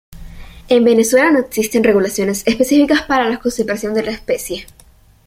En Venezuela, no existen regulaciones específicas para la conservación de la especie.